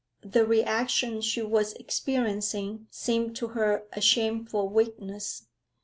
The reaction she was experiencing seemed to her a shameful weakness.